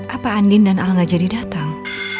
apa andien dan al gak jadi datang